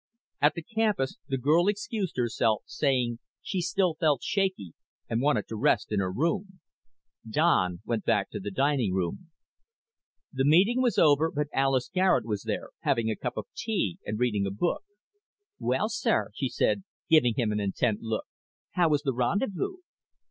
At the campus the girl excused herself, saying she still felt shaky and wanted to rest in her room. Don went back to the dining room. The meeting was over but Alis Garet was there, having a cup of tea and reading a book. "Well, sir," she said, giving him an intent look, "how was the rendezvous?"